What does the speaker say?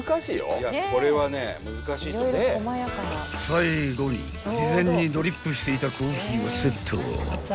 ［最後に事前にドリップしていたコーヒーをセット］